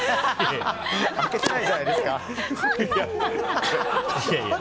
開けないじゃないですか。